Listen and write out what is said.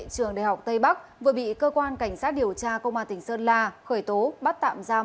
trường đại học tây bắc vừa bị cơ quan cảnh sát điều tra công an tỉnh sơn la khởi tố bắt tạm giam